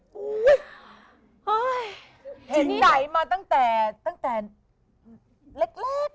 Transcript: เห็นไหนมาตั้งแต่ตั้งแต่เล็ก